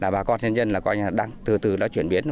bà con nhân dân đang từ từ chuyển biến